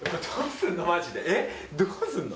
どうすんの？